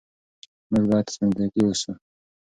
موږ بايد منطقي اوسو.